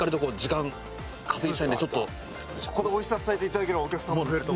ここのおいしさ伝えていただければお客さんも増えると。